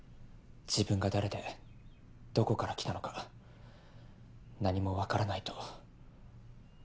自分が誰でどこから来たのか何も分からないと。